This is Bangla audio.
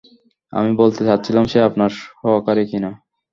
আমি বলতে চাচ্ছিলাম সে আপনার সহকারী কি-না।